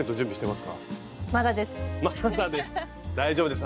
まだです。